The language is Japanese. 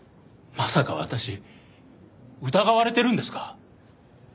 まさか私疑われてるんですか？